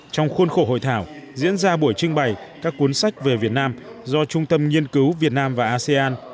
trong khuôn khổ hội thảo diễn ra buổi trưng bày các cuốn sách về việt nam do trung tâm nghiên cứu việt nam và asean